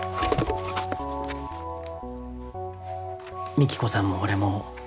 美貴子さんも俺も